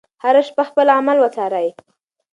هره شپه خپل اعمال وڅارئ.